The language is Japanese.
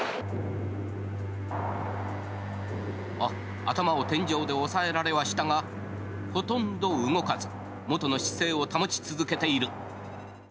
頭を天井で押さえられはしたがほとんど動かず元の姿勢を保ち続けている。